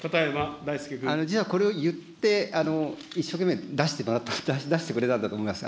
これを言って、一生懸命出してもらった、出してくれたんだと思います。